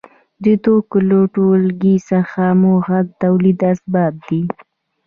د توکو له ټولګې څخه موخه د تولید اسباب دي.